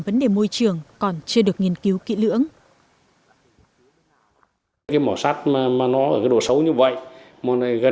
vấn đề môi trường còn chưa được nghiên cứu kỹ lưỡng